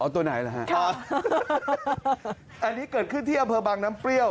อ๋อตัวไหนล่ะครับอันนี้เกิดขึ้นที่อาพบังน้ำเปรี้ยว